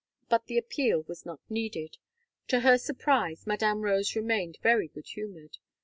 But the appeal was not needed. To her surprise, Madame Rose remained very good humoured.